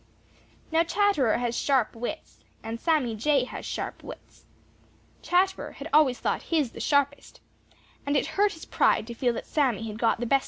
Now Chatterer has sharp wits, and Sammy Jay has sharp wits. Chatterer had always thought his the sharpest, and it hurt his pride to feel that Sammy had got the best of him.